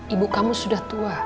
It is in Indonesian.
ibu kamu sudah tua